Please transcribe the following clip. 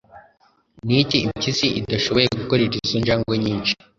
Niki impyisi idashoboye gukorera izo njangwe nyinshi?